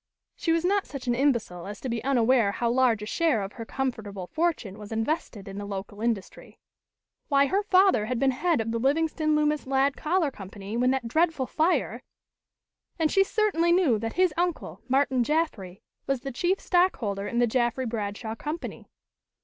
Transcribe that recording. She was not such an imbecile as to be unaware how large a share of her comfortable fortune was invested in the local industry. Why, her father had been head of the Livingston Loomis Ladd Collar Company, when that dreadful fire ! And she certainly knew that his uncle, Martin Jaffry, was the chief stockholder in the Jaffry Bradshaw Company.